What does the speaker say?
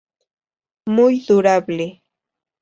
Muy durable.